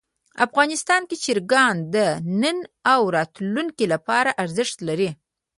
افغانستان کې چرګان د نن او راتلونکي لپاره ارزښت لري.